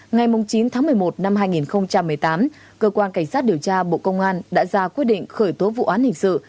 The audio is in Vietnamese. ngày chín tháng một mươi một năm hai nghìn một mươi tám cơ quan cảnh sát điều tra bộ công an đã ra quyết định khởi tố vụ án hình sự